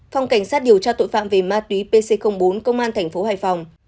phòng cảnh sát điều tra tội phạm về mát túy pc bốn công an tp hải phòng